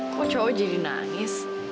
kok cowok jadi nangis